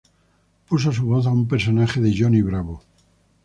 Puso su voz a un personaje de "Johnny Bravo".